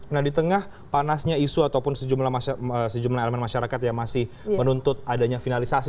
nah di tengah panasnya isu ataupun sejumlah elemen masyarakat yang masih menuntut adanya finalisasi